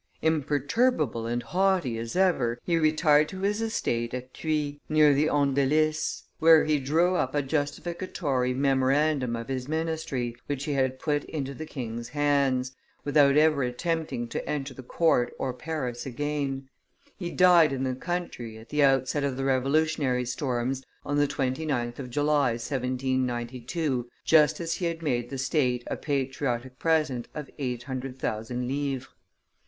Imperturbable and haughty as ever, he retired to his estate at Thuit, near the Andelys, where he drew up a justificatory memorandum of his ministry, which he had put into the king's hands, without ever attempting to enter the court or Paris again; he died in the country, at the outset of the revolutionary storms, on the 29th of July, 1792, just as he had made the State a patriotic present of 800,000 livres.